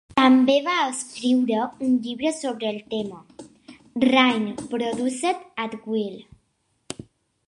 També va escriure un llibre sobre el tema, "Rain Produced At Will".